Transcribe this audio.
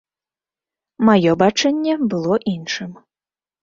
Маё бачанне было іншым.